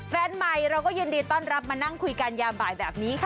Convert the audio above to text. แฟนใหม่เราก็ยินดีต้อนรับมานั่งคุยกันยาบ่ายแบบนี้ค่ะ